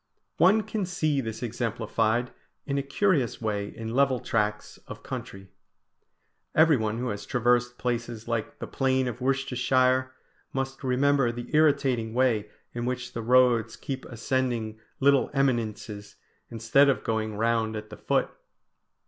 One can see this exemplified in a curious way in level tracts of country. Everyone who has traversed places like the plain of Worcestershire must remember the irritating way in which the roads keep ascending little eminences, instead of going round at the foot.